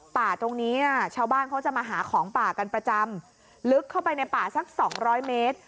ป่าตรงนี้นะชาวบ้านเขาจะมาหาของป่ากันประจำลึกเข้าไปในป่าสักสองร้อยเมตร